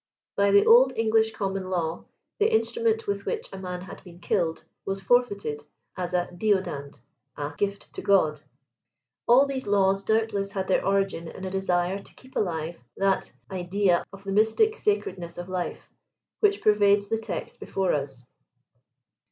By the old English common law^ the instrument with which a man had been killed was forfeited as a '* deodand," a " gift to God/* All these laws doubtless had their origin ia a desire to keep alive that "idea of the mystic sacredness of life,*' which pervades the text before us.